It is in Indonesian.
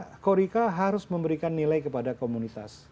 kita korica harus memberikan nilai kepada komunitas